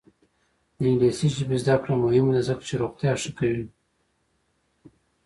د انګلیسي ژبې زده کړه مهمه ده ځکه چې روغتیا ښه کوي.